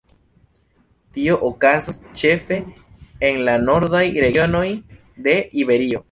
Tio okazas ĉefe en la nordaj regionoj de Iberio.